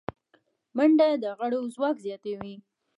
منډه د غړو ځواک زیاتوي